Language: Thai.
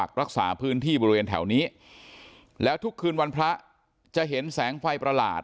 ปกปักรักษาพื้นที่บริเวณแถวนี้และทุกคืนวันพระเพิงไฟพระหลาด